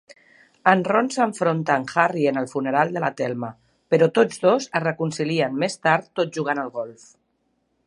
En Ron s'enfronta a en Harry en el funeral de la Thelma, però tots dos es reconcilien més tard tot jugant al golf.